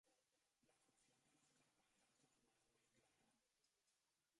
La función de los carbohidratos no es muy clara.